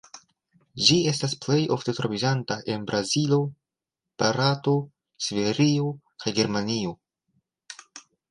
Ĝi estas plej ofte troviĝanta en Brazilo, Barato, Siberio, kaj Germanio.